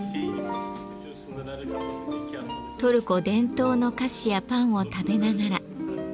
トルコ伝統の菓子やパンを食べながら。